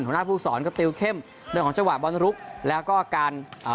หัวหน้าผู้สอนก็ติวเข้มเรื่องของจังหวะบอลลุกแล้วก็การอ่า